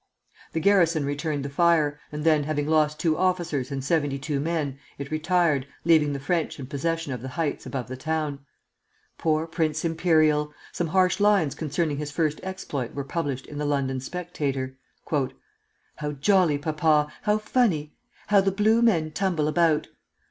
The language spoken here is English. The garrison returned the fire, and then, having lost two officers and seventy two men, it retired, leaving the French in possession of the heights above the town. Poor Prince Imperial! Some harsh lines concerning his first exploit were published in the London "Spectator:" "'How jolly, papa! how funny! How the blue men tumble about!